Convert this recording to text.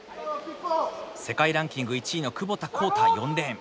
世界ランキング１位の窪田幸太４レーン。